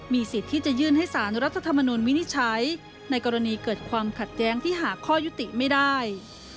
สิทธิ์ที่จะยื่นให้สารรัฐธรรมนุนวินิจฉัยในกรณีเกิดความขัดแย้งที่หาข้อยุติไม่ได้